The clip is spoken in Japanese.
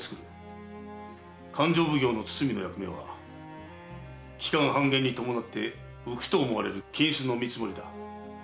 勘定奉行の堤の役目は期間半減に伴って浮くと思われる金子の見積もりだ。